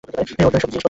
অর্থহীন সব জিনিস।